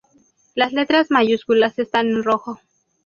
Las letras mayúsculas están en rojo.